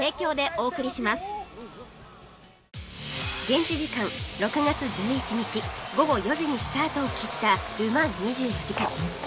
現地時間６月１１日午後４時にスタートをきったル・マン２４時間